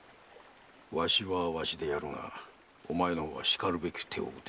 わしはわしでやるがお前の方はしかるべき手を打て。